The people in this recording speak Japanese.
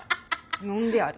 飲んでやる。